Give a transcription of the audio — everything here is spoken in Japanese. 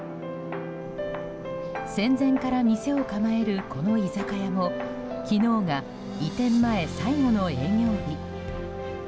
戦前から店を構えるこの居酒屋も昨日が移転前最後の営業日。